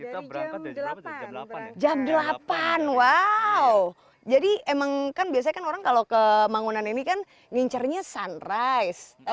dari jam delapan jam delapan wow jadi emang kan biasanya kan orang kalau ke mangunan ini kan ngincernya sunrise